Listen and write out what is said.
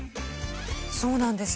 そうなんですね。